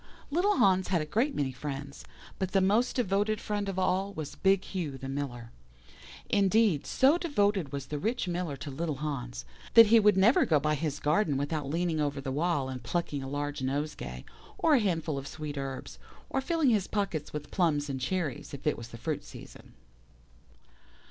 "Little Hans had a great many friends, but the most devoted friend of all was big Hugh the Miller. Indeed, so devoted was the rich Miller to little Hans, that he would never go by his garden without leaning over the wall and plucking a large nosegay, or a handful of sweet herbs, or filling his pockets with plums and cherries if it was the fruit season.